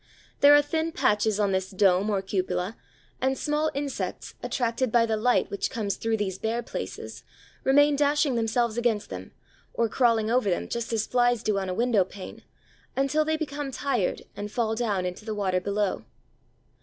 There are thin patches on this dome or cupola, and small insects, attracted by the light which comes through these bare places, remain dashing themselves against them or crawling over them just as flies do on a window pane, until they become tired and fall down into the water below.